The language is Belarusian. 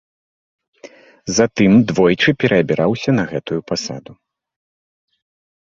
Затым двойчы пераабіраўся на гэтую пасаду.